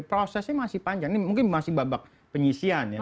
prosesnya masih panjang ini mungkin masih babak penyisian ya